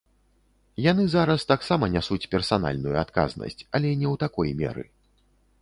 Яны зараз таксама нясуць персанальную адказнасць, але не ў такой меры.